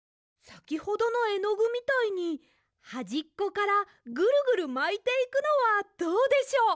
さきほどのえのぐみたいにはじっこからぐるぐるまいていくのはどうでしょう？